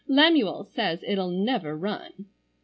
Lemuel says it'll never run."